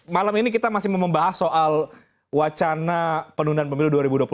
malam ini kita masih membahas soal wacana penundaan pemilu dua ribu dua puluh empat